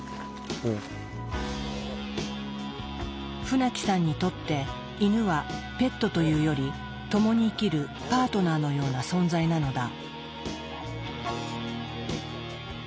船木さんにとってイヌはペットというより共に生きるパートナーのような存在なのだ。